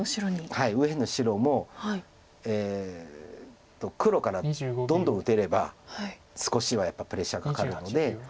はい右辺の白も黒からどんどん打てれば少しはやっぱりプレッシャーかかるので。